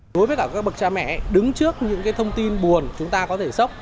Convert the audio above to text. đối với cả các bậc cha mẹ đứng trước những thông tin buồn chúng ta có thể sốc